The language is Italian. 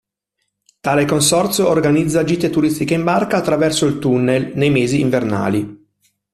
Tale consorzio organizza gite turistiche in barca attraverso il tunnel, nei mesi invernali.